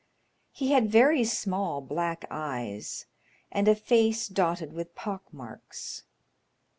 He had very small black eyes, and a face dotted with pock marks.